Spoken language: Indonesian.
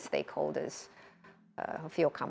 untuk pemilik perusahaan